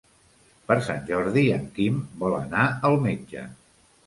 Per Sant Jordi en Quim vol anar al metge.